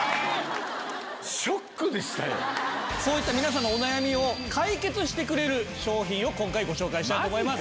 そういった皆さんのお悩みを解決してくれる商品を今回ご紹介したいと思います。